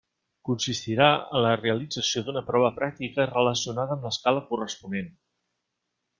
Consistirà en la realització d'una prova pràctica relacionada amb l'escala corresponent.